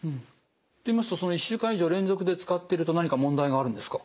といいますと１週間以上連続で使っていると何か問題があるんですか？